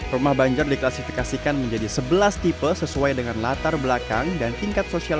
rumah banjar diklasifikasikan menjadi sebelas tipe sesuai dengan latar belakang dan tingkat sosial